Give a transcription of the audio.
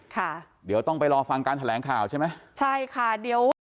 ค่ะเดี๋ยวต้องไปรอฟังการแถลงข่าวใช่ไหมใช่ค่ะเดี๋ยว